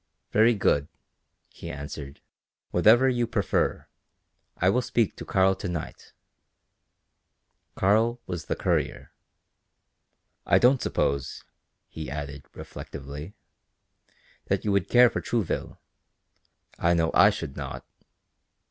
"Very good," he answered; "whatever you prefer. I will speak to Karl to night." (Karl was the courier.) "I don't suppose," he added, reflectively, "that you would care for Trouville I know I should not."